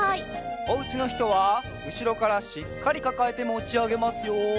おうちのひとはうしろからしっかりかかえてもちあげますよ。